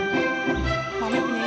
mamnya punya ide